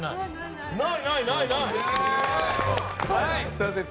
すいません。